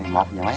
một giờ mấy